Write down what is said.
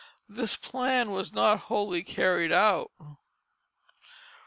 This plan was not wholly carried out.